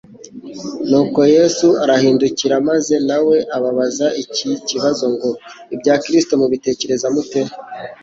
Nuko Yesu arabahindukirira; maze na we ababaza iki kibazo ngo : "Ibya Kristo mubitekereza mute?